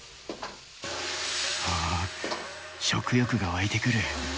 ああ、食欲が湧いてくる。